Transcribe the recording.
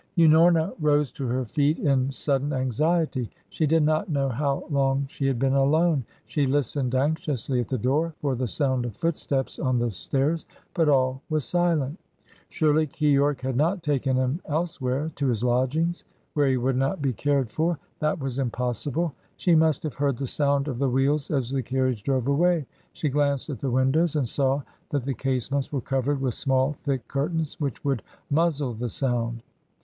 Unorna rose to her feet in sudden anxiety. She did not know how long she had been alone. She listened anxiously at the door for the sound of footsteps on the stairs, but all was silent. Surely, Keyork had not taken him elsewhere, to his lodgings, where he would not be cared for. That was impossible. She must have heard the sound of the wheels as the carriage drove away. She glanced at the windows and saw that the casements were covered with small, thick curtains which would muzzle the sound.